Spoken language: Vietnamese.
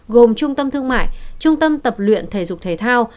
gồm trung tâm thương mại trung tâm tập luyện thể dục thể thao